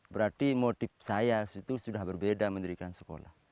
berarti motif saya itu sudah berbeda mendirikan sekolah